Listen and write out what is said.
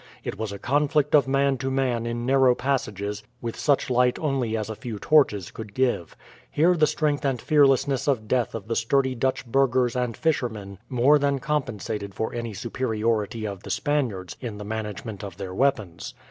It was a conflict of man to man in narrow passages, with such light only as a few torches could give. Here the strength and fearlessness of death of the sturdy Dutch burghers and fishermen more than compensated for any superiority of the Spaniards in the management of their weapons.